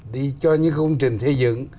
đi cho những công trình xây dựng